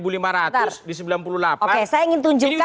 oke saya ingin tunjukkan